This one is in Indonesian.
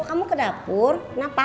kamu ke dapur kenapa